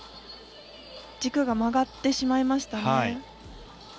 軸が曲がってしまいましたね。